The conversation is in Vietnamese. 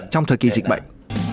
trong thời kỳ dịch bệnh